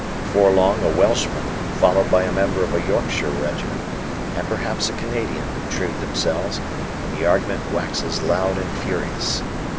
Before long a Welshman, followed by a member of a Yorkshire regiment, and, perhaps, a Canadian intrude themselves and the argument waxes loud and furious.